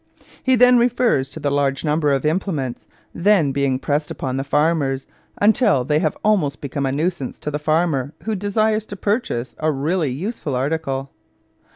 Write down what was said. He then refers to the large number of implements then being pressed upon the farmers, until 'they have almost become a nuisance to the farmer who desires to purchase a really useful article.'